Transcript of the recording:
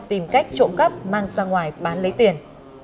tìm cách trộm cắp mang ra ngoài bán lấy tiền